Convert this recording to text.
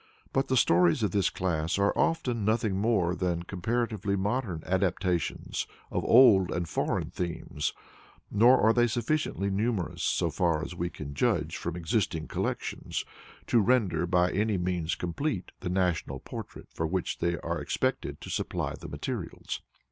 But the stories of this class are often nothing more than comparatively modern adaptations of old and foreign themes; nor are they sufficiently numerous, so far as we can judge from existing collections, to render by any means complete the national portrait for which they are expected to supply the materials.